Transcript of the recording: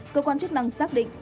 cơ quan chức năng xác định